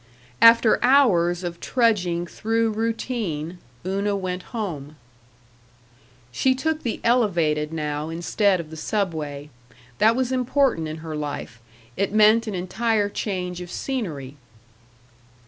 After hours of trudging through routine, Una went home. She took the Elevated now instead of the Subway. That was important in her life. It meant an entire change of scenery.